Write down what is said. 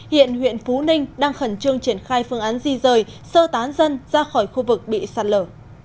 hiện huyện phú ninh đang khẩn trương triển khai phương án di rời sơ tán dân ra khỏi khu vực bị sạt lở